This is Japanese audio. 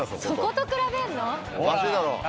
そこと比べるの？